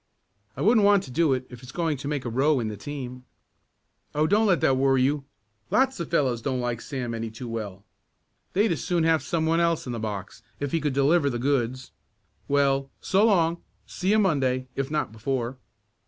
"I wouldn't want to do it, if it's going to make a row in the team." "Oh, don't let that worry you. Lots of the fellows don't like Sam any too well. They'd as soon have some one else in the box if he could deliver the goods. Well, so long; see you Monday, if not before."